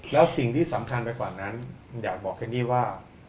แล้วสิ่งที่สำคัญไปกว่านั้นอยากบอกแค่นี้ว่า